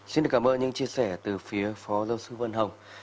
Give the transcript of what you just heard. xin được cảm ơn những chia sẻ từ phía phó giáo sư vân hồng